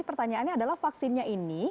pertanyaannya adalah vaksinnya ini